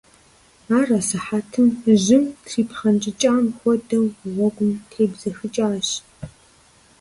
Ар асыхьэтым, жьым трипхъэнкӀыкӀам хуэдэу, гъуэгум тебзэхыкӀащ.